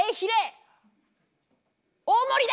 大盛りで！